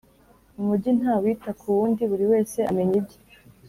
Mumugi ntawita kuwundi buriwese amenya ibye